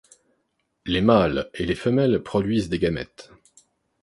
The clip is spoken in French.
Les mâles et les femelles produisent des gamètes.